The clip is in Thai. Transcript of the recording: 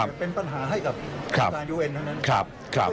เป็นปัญหาให้กับอาศัยการยูเอ็นเท่านั้น